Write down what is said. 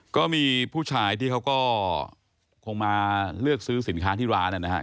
ก็มีผู้ชายที่เขาก็คงมาเลือกซื้อสินค้าที่ร้านนะครับ